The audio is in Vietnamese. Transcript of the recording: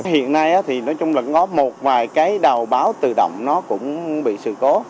hiện nay nói chung là một vài đầu báo tự động cũng bị sự cố